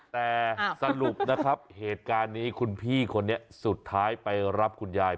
แต่สรุปนะครับเหตุการณ์นี้คุณพี่คนนี้สุดท้ายไปรับคุณยาย